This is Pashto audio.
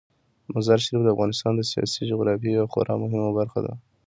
مزارشریف د افغانستان د سیاسي جغرافیې یوه خورا مهمه برخه ده.